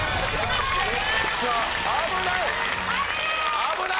危ない！